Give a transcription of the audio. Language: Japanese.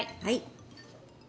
はい。